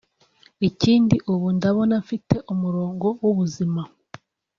Ikindi ubu ndabona mfite umurongo w’ubuzima